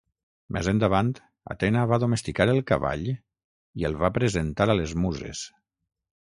Més endavant, Atena va domesticar el cavall i el va presentar a les muses.